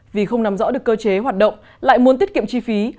vì không nắm rõ được cơ chế hoạt động lại muốn tiết kiệm chi phí